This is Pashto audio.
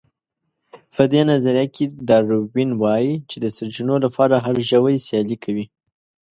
په دې نظريه کې داروېن وايي چې د سرچينو لپاره هر ژوی سيالي کوي.